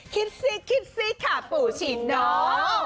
คิดสิคิดสิค่ะปู่ฉีดน้อง